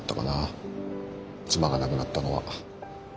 妻が亡くなったのは。